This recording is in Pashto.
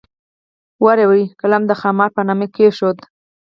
ور وې قلم د خامار په نامه کېښود.